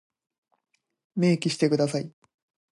明記してください。